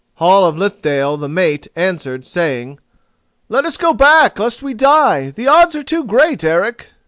Hall of Lithdale, the mate, answered, saying: "Let us go back, lest we die. The odds are too great, Eric."